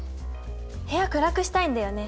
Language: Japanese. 部屋暗くしたいんだよね。